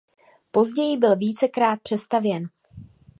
Později byl vícekrát přestavěn.